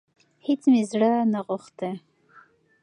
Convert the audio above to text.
هيڅ مي زړه نه غوښتی .